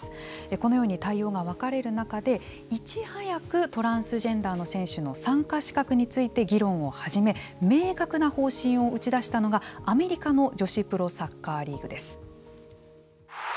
このように対応が分かれる中でいち早くトランスジェンダーの選手の参加資格について議論を始め明確な方針を打ち出したのがアメリカの女子プロサッカーリーグです。